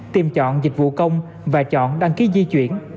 tìm chọn dịch vụ công và chọn đăng ký di chuyển